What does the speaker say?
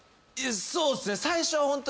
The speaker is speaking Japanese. そうっすね。